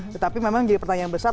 tetapi memang jadi pertanyaan besar